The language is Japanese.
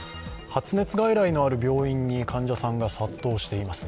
発熱外来のある病院に患者さんが殺到しています。